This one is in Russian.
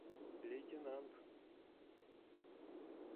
лейтенант